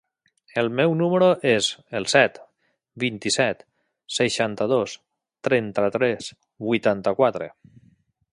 El meu número es el set, vint-i-set, seixanta-dos, trenta-tres, vuitanta-quatre.